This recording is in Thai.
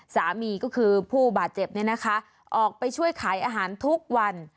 สามีก็คือผู้บาดเจ็บออกไปช่วยขายอาหารทุกวัน